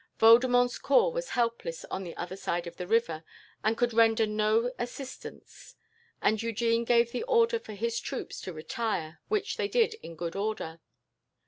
Vaudemont's corps was helpless on the other side of the river, and could render no assistance, and Eugene gave the order for his troops to retire, which they did in good order.